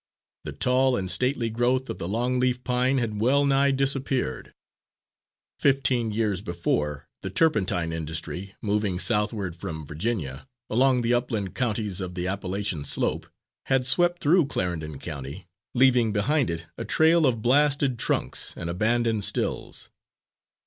The tall and stately growth of the long leaf pine had well nigh disappeared; fifteen years before, the turpentine industry, moving southward from Virginia, along the upland counties of the Appalachian slope, had swept through Clarendon County, leaving behind it a trail of blasted trunks and abandoned stills.